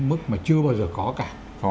mức mà chưa bao giờ có cả